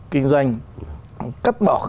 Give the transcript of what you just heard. kinh doanh cắt bỏ